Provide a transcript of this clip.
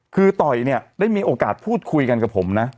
คือต่อยเนี่ยได้มีโอกาสพูดคุยกันกับผมนะ